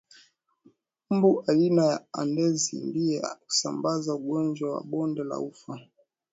Mbu aina ya Aedesi ndiye husambaza unjwa wa bonde la ufa